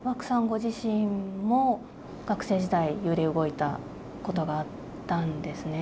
ご自身も学生時代、揺れ動いたことがあったんですね。